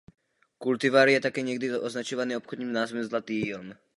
Kultivar je také někdy označovaný obchodním názvem „zlatý jilm“.